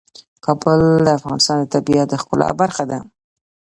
کابل د افغانستان د طبیعت د ښکلا برخه ده.